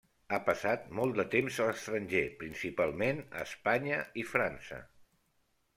Ha passat molt de temps a l'estranger, principalment a Espanya i França.